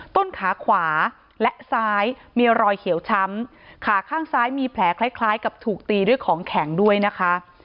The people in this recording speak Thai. ต้นขาขวาและซ้ายมีรอยเขียวช้ำขาข้างซ้ายมีแผลคล้ายกับถูกตีด้วยของแข็งด้วยนะคะ